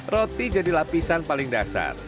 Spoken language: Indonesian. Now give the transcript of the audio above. roti jadi lapisan paling dasar